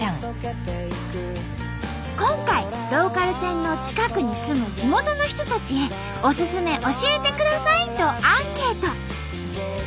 今回ローカル線の近くに住む地元の人たちへおすすめ教えてくださいとアンケート。